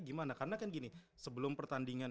gimana karena kan gini sebelum pertandingan